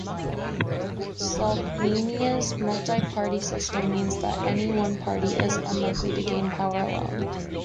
Slovenia's multi-party system means that any one party is unlikely to gain power alone.